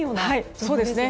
そうですね。